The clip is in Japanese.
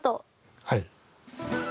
はい。